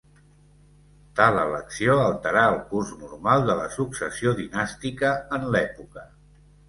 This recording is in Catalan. Tal elecció alterar el curs normal de la successió dinàstica en l'època.